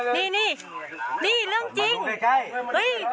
เนี้ยนี่เนี้ยนี่เรื่องจริงใกล้ใกล้เห้ย